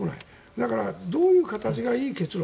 だからどういう形がいい結論